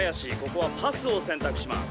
ここはパスを選択します。